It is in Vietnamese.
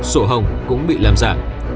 sổ hồng cũng bị làm giả